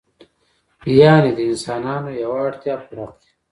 یعنې د انسانانو یوه اړتیا پوره کړي.